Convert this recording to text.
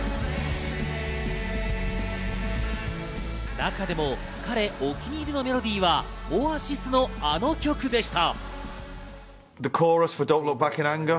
中でも彼お気に入りのメロディーはオアシスのあの曲でした。